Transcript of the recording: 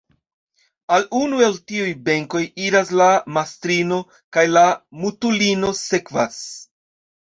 Al unu el tiuj benkoj iras la mastrino kaj la mutulino sekvas.